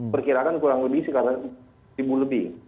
berkirakan kurang lebih sekitar ribu lebih